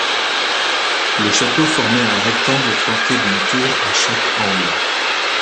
Le château formait un rectangle flanqué d’une tour à chaque angle.